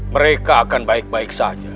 mereka akan baik baik saja